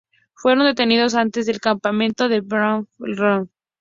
Fueron detenidos antes en el campamento de Beaune-la-Rolande.